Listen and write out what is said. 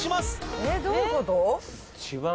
えっどういうこと？